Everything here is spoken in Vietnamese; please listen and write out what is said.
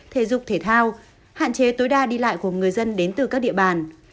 thể dục thể thao hạn chế tối đa đi lại của người dân đến từ các địa bàn